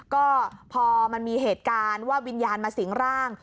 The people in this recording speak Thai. ก็พอมันมีเหตุการณ์ว่าวิญญาณมาสิงร่าง